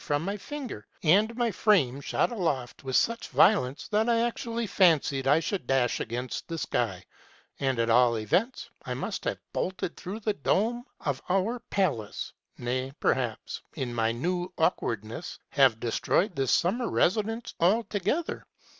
249 from my finger, and my frame shot aloft with such violence that I actually fancied I should dash against the sky : and, at all events, I must have bolted through the dome of our palace, ŌĆö nay, perhaps, in my new awkwardness, have de stroyed this summer residence altogether.